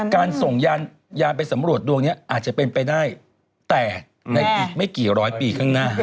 การส่งยานไปสำรวจดวงนี้อาจจะเป็นไปได้แต่ในอีกไม่กี่ร้อยปีข้างหน้า